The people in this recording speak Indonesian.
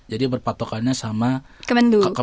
jadi berpatokannya sama kemenlu